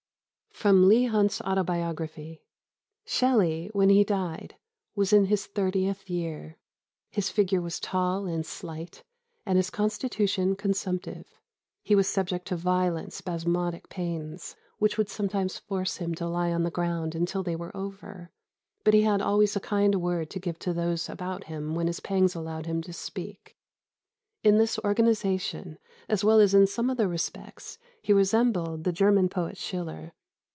[Sidenote: Leigh Hunt's Autobiography.] "Shelley, when he died, was in his thirtieth year. His figure was tall and slight, and his constitution consumptive. He was subject to violent spasmodic pains, which would sometimes force him to lie on the ground until they were over; but he had always a kind word to give to those about him when his pangs allowed him to speak. In this organisation, as well as in some other respects, he resembled the German poet Schiller.